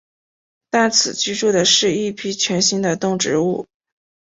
但此居住的是一批全新的动植物。